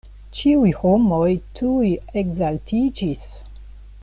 Ĉiuj homoj tuj ekzaltiĝis.